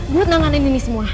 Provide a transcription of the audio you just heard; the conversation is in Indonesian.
buat nanganin ini semua